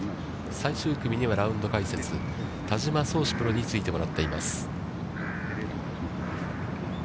最終組には、ラウンド解説、田島創志プロについてもらっています。